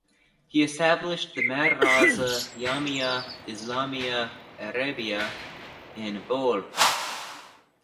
He established the Madrasa Jamia Islamia Arabia in Bhopal.